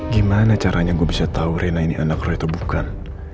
gimana caranya gue bisa tahu riana ini anak roto bukan